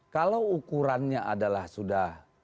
kalau ukurannya adalah sudah